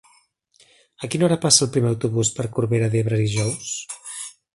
A quina hora passa el primer autobús per Corbera d'Ebre dijous?